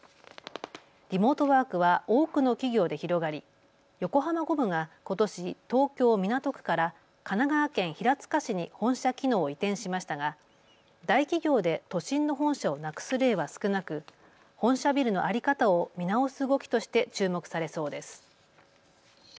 リモートワークは多くの企業で広がり横浜ゴムがことし、東京港区から神奈川県平塚市に本社機能を移転しましたが大企業で都心の本社をなくす例は少なく本社ビルの在り方を見直す動きとして注目されそうです。